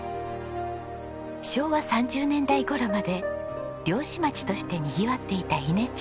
昭和３０年代頃まで漁師町としてにぎわっていた伊根町。